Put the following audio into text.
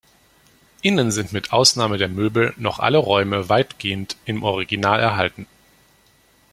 Innen sind mit Ausnahme der Möbel noch alle Räume weitgehend im Original erhalten.